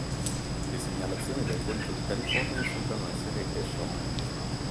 Le segnalazioni dal golfo di California sembrano essere erronee.